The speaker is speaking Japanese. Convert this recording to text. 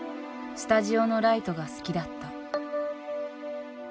スタジオのライトが好きだった。